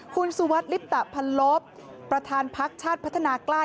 คุณสุวัสดิลิปตะพันลบประธานพักชาติพัฒนากล้าย